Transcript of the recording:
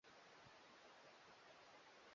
machafuko inayoshababishwa na wanamgambo wa al shabaab